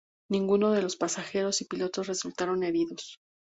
Ninguno de los pasajeros y pilotos resultaron heridos.